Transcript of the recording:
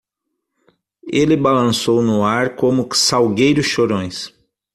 Ele balançou no ar como salgueiros chorões.